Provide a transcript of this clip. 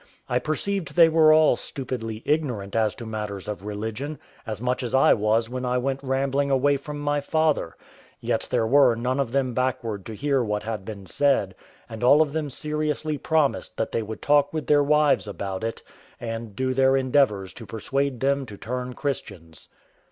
I perceived they were all stupidly ignorant as to matters of religion, as much as I was when I went rambling away from my father; yet there were none of them backward to hear what had been said; and all of them seriously promised that they would talk with their wives about it, and do their endeavours to persuade them to turn Christians.